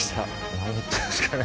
何言ってんですかね・・